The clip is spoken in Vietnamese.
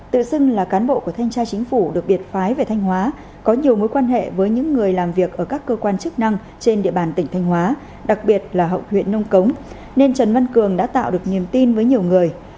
tự xưng là cán bộ của thanh tra chính phủ được biệt phái về thanh hóa có nhiều mối quan hệ với những người làm việc ở các cơ quan chức năng trên địa bàn tỉnh thanh hóa đặc biệt là hậu huyện nông cống nên trần văn cường đã tạo được niềm tin với nhiều người